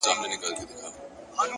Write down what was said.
نیکي له شهرت پرته هم ځلېږي.!